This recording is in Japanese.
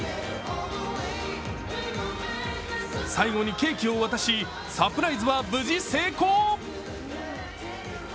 最後にケーキを渡し、サプライズば無事成功。